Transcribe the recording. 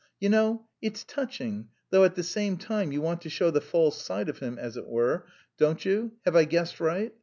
You know, it's touching, though at the same time you want to show the false side of him, as it were, don't you? Have I guessed right?